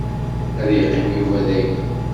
Ad iqqim Yuba dagi.